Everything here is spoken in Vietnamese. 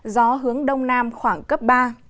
gió hướng đông nam khoảng cấp ba